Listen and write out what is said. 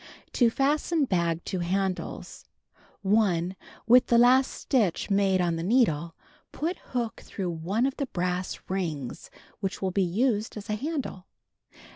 To Fasten Bag to Handles: 1. With the last stitch made on the needle, put hook through one of the brass rings which will be used as a handle.